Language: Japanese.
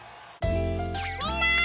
みんな！